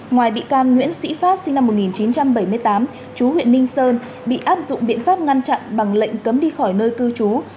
ngoài bị can nguyễn sĩ phát sinh năm một nghìn chín trăm bảy mươi tám chú huyện ninh sơn bị áp dụng biện pháp ngăn chặn bằng lệnh cấm đi khỏi nơi cư trú